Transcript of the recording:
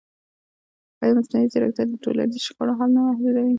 ایا مصنوعي ځیرکتیا د ټولنیزو شخړو حل نه محدودوي؟